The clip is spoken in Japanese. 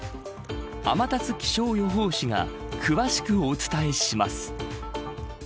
天達気象予報士が詳しくお伝えします。